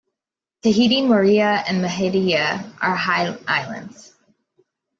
Tahiti, Moorea, and Mehetia are high islands.